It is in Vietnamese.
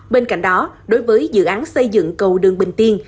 bên cạnh đó đối với dự án xây dựng cầu đường bình tiên